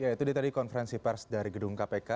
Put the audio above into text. ya itu dia tadi konferensi pers dari gedung kpk